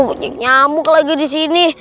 banyak nyambuk lagi di sini